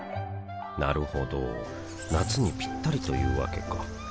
なるほど夏にピッタリというわけか